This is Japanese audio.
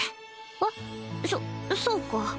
えっそそうか